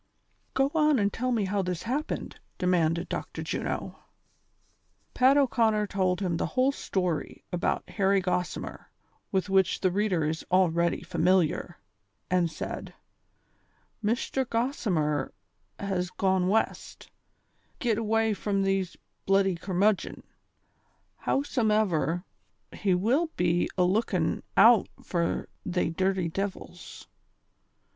" Go on and tell me how this happened," demanded Dr. Juno. Pat O 'Conner told him the whole story about Harry Gossimer, with which the reader is already familiar, and said : "Mishter Gossimer has gone West, to git away from these bluddy curmudgon ; howsomever, he will be alookin' out fur they dirty divils.